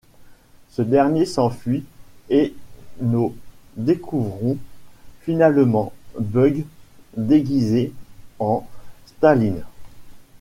Ce dernier s'enfuit et nos découvrons finalement Bugs déguisé en Staline.